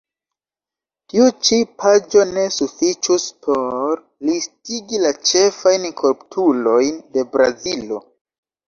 Tiu ĉi paĝo ne sufiĉus por listigi la ĉefajn koruptulojn de Brazilo.